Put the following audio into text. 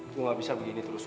gua gak bisa begini terus gue